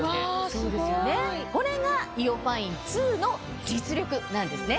そうですよねこれがＩＯファイン２の実力なんですね。